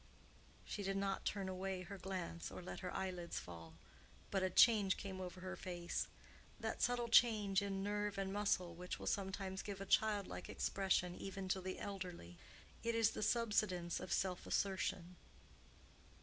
She did not turn away her glance or let her eyelids fall, but a change came over her face—that subtle change in nerve and muscle which will sometimes give a childlike expression even to the elderly: it is the subsidence of self assertion.